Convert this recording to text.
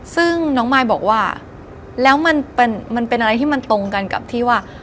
ซึ่งน้องมายบอกว่าแล้วมันเป็นอะไรที่มันตรงกันกับที่ว่า